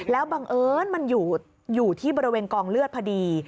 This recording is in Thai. แล้วบังเอิญมันอยู่ที่บริเวณกองเลือดพอดี